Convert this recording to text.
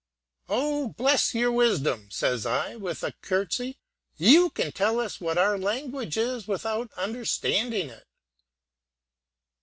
'Oh, bless your wisdom,' says I with a curtsey, 'you can tell us what our language is without understanding it!'